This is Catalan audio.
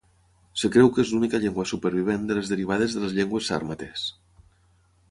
Es creu que és l'única llengua supervivent de les derivades de les llengües sàrmates.